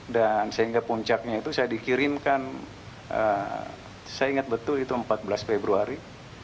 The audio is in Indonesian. dan sehingga puncaknya itu saya dikirimkan saya ingat betul itu empat belas februari